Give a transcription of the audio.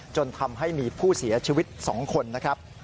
จนทำให้มีผู้เสียชีวิต๒คนนะครับ